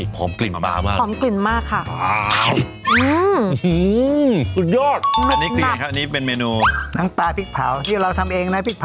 หอมกลิ่นปลามาก